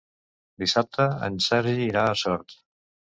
Dissabte en Sergi irà a Sort.